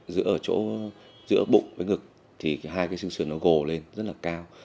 giữa ở chỗ giữa bụng với ngực thì hai cái sinh sườn nó gồ lên rất là cao